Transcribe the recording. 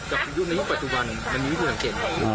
กับยุคในยุคปัจจุบันมันมีวิธีสังเกต